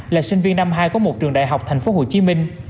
là sinh viên năm hai của một trường đại học tp hcm